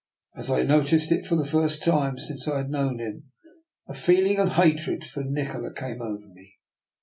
As I noticed it, for the first time since I had known him, a feeling of hatred for Nikola came over me.